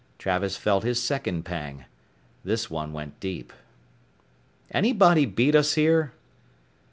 Travis felt his second pang. This one went deep. "Anybody beat us here?"